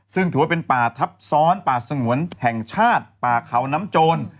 ซึ่งถือว่าเป็นป่าทับซ้อนป่าสงวนแห่งชาติป่าเขาน้ำโจร